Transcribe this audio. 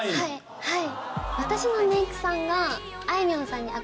はい。